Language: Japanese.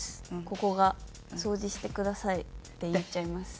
ここが。掃除してください」って言っちゃいます。